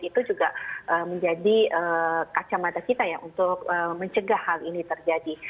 itu juga menjadi kacamata kita ya untuk mencegah hal ini terjadi